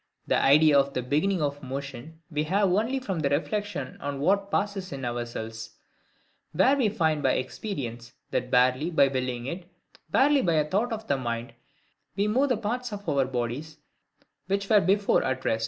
The idea of the BEGINNING of motion we have only from reflection on what passes in ourselves; where we find by experience, that, barely by willing it, barely by a thought of the mind, we can move the parts of our bodies, which were before at rest.